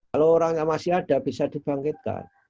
kalau orang yang masih ada bisa dibangkitkan